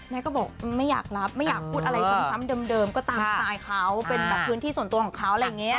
เน็กก็บอกว่าไม่อยากรับไม่อยากพูดอะไรสำคัญเดิมก็ตามสายเขาเป็นพื้นที่ส่วนตัวของเขาอะไรอย่างนี้